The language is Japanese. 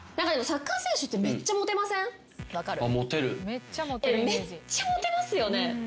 めっちゃモテますよね？